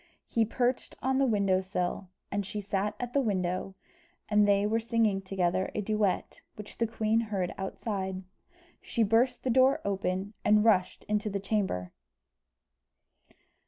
He perched on the window sill, and she sat at the window, and they were singing together a duet, which the queen heard outside. She burst the door open, and rushed into the chamber.